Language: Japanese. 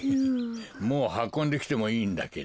もうはこんできてもいいんだけど。